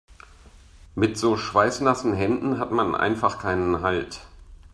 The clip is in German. Mit so schweißnassen Händen hat man einfach keinen Halt.